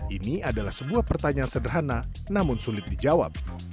ini adalah sebuah pertanyaan sederhana namun sulit dijawab